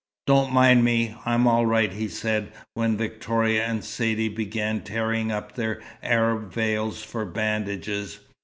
"Don't mind me. I'm all right," he said when Victoria and Saidee began tearing up their Arab veils for bandages.